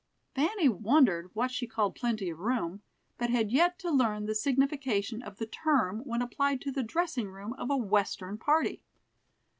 Fanny wondered what she called plenty of room, but had yet to learn the signification of the term when applied to the dressing room of a western party.